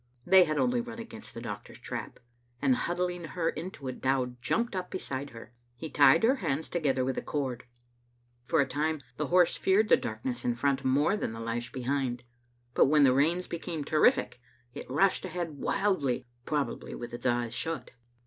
They had only run against the doc tor's trap; and huddling her into it, Dow jumped up beside her. He tied her hands together with a cord. For a time the horse feared the darkness in front more than the lash behind; but when the rains became ter rific, it rushed ahead wildly — probably with its eyes shut.